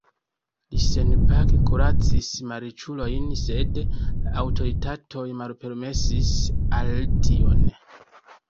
Li senpage kuracis malriĉulojn, sed la aŭtoritatoj malpermesis al li tion.